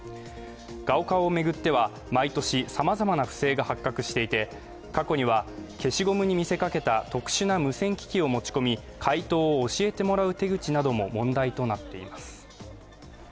高考を巡っては毎年さまざまな不正が発覚していて、過去には消しゴムに見せかけた特殊な無線機器を持ち込み、解答を教えてもらう手口なども問題となっています。